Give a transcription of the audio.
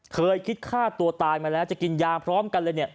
เคยคิดฆ่าตัวตายมาแล้วจะกินยาพร้อมกันเลยเนี่ย